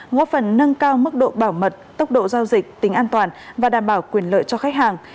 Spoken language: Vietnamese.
góp phần nâng cao mức độ bảo mật tốc độ giao dịch tính an toàn và đảm bảo quyền lợi cho khách hàng